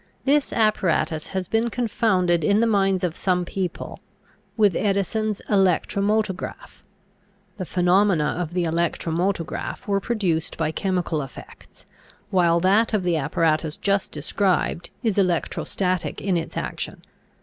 This apparatus has been confounded in the minds of some people with Edison's electromotograph. The phenomena of the electromotograph were produced by chemical effects, while that of the apparatus just described is electrostatic in its action.